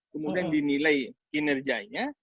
kemudian dinilai kinerjanya